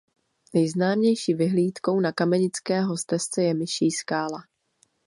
Nejznámější vyhlídkou na Kamenického stezce je Myší skála.